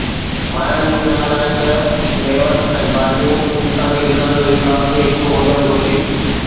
ماهرن جو خيال آهي ته ميون ۽ ڀاڄيون انساني غذا جو هڪ لازمي حصو هجڻ گهرجي